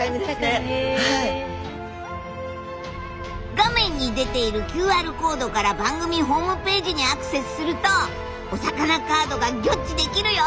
画面に出ているＱＲコードから番組ホームページにアクセスするとお魚カードがギョッちできるよ！